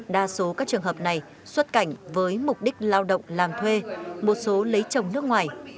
đa số các trường hợp này xuất cảnh với mục đích lao động làm thuê một số lấy chồng nước ngoài